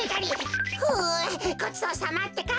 ふうごちそうさまってか。